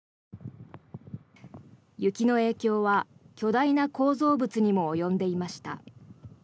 雪の影響は巨大な構造物にも及んでいました。